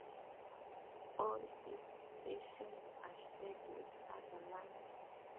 All its stations are shared with other lines.